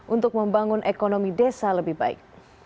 untuk membangun ekonomi desa lebih baik